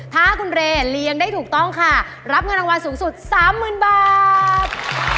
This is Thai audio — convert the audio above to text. ถ้าคุณเรย์เลี้ยงได้ถูกต้องค่ะรับเงินรางวัลสูงสุด๓๐๐๐บาท